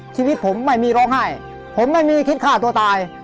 ชีวิตผมไม่มีร้องไห้ผมไม่มีคิดฆ่าตัวตาย